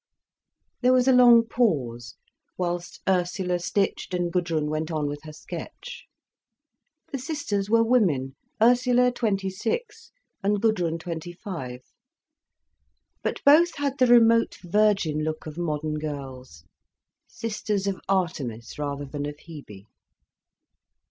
There was a long pause, whilst Ursula stitched and Gudrun went on with her sketch. The sisters were women, Ursula twenty six, and Gudrun twenty five. But both had the remote, virgin look of modern girls, sisters of Artemis rather than of Hebe.